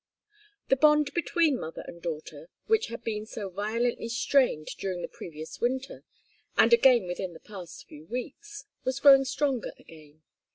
The bond between mother and daughter, which had been so violently strained during the previous winter, and again within the past few weeks, was growing stronger again.